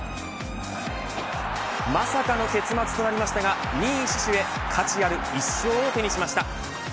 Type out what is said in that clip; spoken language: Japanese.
まさかの結末となりましたが２位死守へ価値ある１勝を手にしました。